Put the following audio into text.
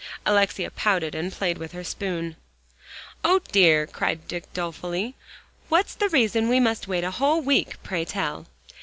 Alexia pouted and played with her spoon. "O dear!" cried Dick dolefully, "what's the reason we must wait a whole week, pray tell?"